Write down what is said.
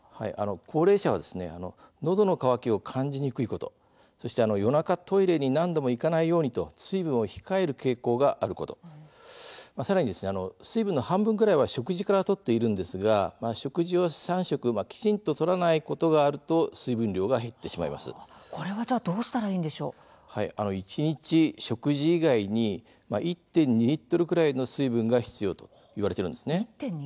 高齢者は、のどの渇きを感じにくいことそして夜中トイレに何度も行かないようにと水分を控える傾向があることさらに水分の半分くらいは食事からとっていますが食事を３食きちんととらないことがあるとどうしたら一日、食事以外に１．２リットルくらいの水分が必要だといわれているんです。